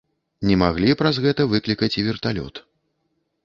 Не маглі праз гэта выклікаць і верталёт.